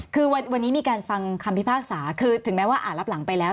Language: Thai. คือวันนี้มีการฟังคำพิพากษาคือถึงแม้ว่าอ่านรับหลังไปแล้ว